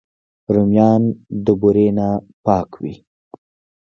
رومیان د بورې نه پاک وي